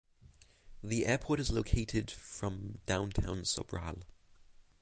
The airport is located from downtown Sobral.